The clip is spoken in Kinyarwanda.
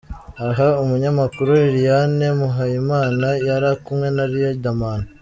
Aha umunyamakuru Liliane Muhayimana yari kumwe na Riderman.